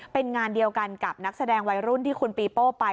เป็นงานเดียวกันกับนักแสดงวัยรุ่นที่คุณปีโป้ไป